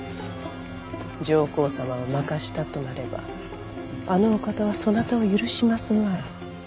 上皇様を負かしたとなればあのお方はそなたを許しますまい。